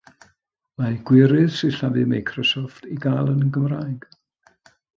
Mae gwirydd sillafu Microsoft i gael yn Gymraeg.